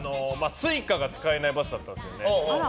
Ｓｕｉｃａが使えないバスだったんですよね。